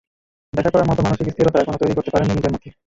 দেখা করার মতো মানসিক স্থিরতা এখনো তৈরি করতে পারেননি নিজের মধ্যে।